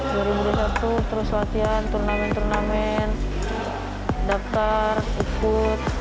dari mulai satu terus latihan turnamen turnamen daftar ikut